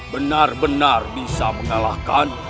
benar benar bisa mengalahkan